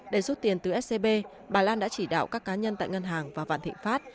để rút tiền từ scb bà lan đã chỉ đạo các cá nhân tại ngân hàng và vạn thịnh pháp